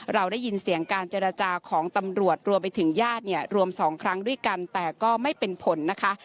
เราได้ยินเสียงการเจรจาของตำรวจรวมไปถึงญาติเนี่ยรวมสองครั้งด้วยกันแต่ก็ไม่เป็นผลนะคะ